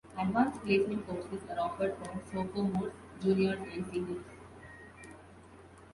Advanced Placement courses are offered for sophomores, juniors, and seniors.